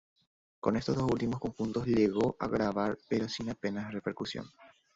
Con estos dos últimos conjuntos llegó a grabar pero sin apenas repercusión.